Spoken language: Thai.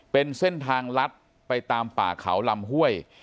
เป็นเส้นทางลัดไปตามป่าเขาลำห้วย